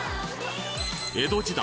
江戸時代